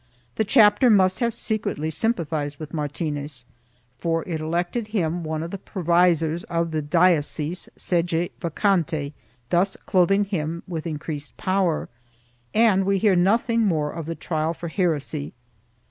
The chapter must have secretly sympathized with Martinez, for it elected him one of the provisors of the diocese sede vacante, thus clothing him with increased power, and we hear nothing more of the trial for heresy.